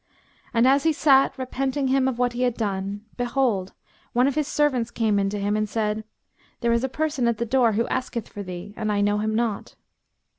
And as he sat, repenting him of what he had done, behold one of his servants came in to him and said, "There is a person at the door who asketh for thee; and I know him not."